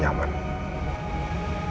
kamu gak nyaman